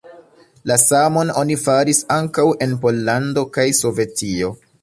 La samon oni faris ankaŭ en Pollando kaj Sovetio.